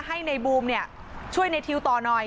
ให้ในบูมช่วยในทิวต่อหน่อย